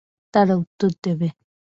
তারা উত্তর দেবে।